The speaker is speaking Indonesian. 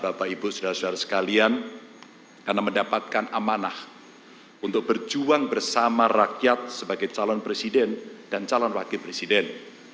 bapak ibu saudara saudara sekalian karena mendapatkan amanah untuk berjuang bersama rakyat sebagai calon presiden dan calon wakil presiden